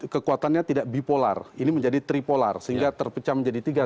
kekuatannya tidak bipolar ini menjadi tripolar sehingga terpecah menjadi tiga